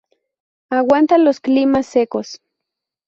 Aguanta los climas secos.